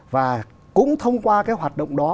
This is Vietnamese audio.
và cũng thông qua cái hoạt động đó